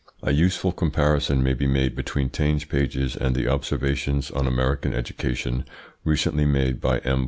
A useful comparison may be made between Taine's pages and the observations on American education recently made by M.